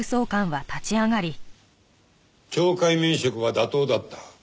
懲戒免職は妥当だった。